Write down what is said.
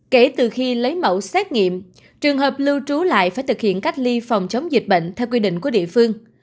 kể từ khi lấy mẫu xét nghiệm trường hợp lưu trú lại phải thực hiện cách ly phòng chống dịch bệnh theo quy định của địa phương